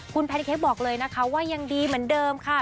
คุณแพนิเค้กบอกเลยนะคะว่ายังดีเหมือนเดิมค่ะ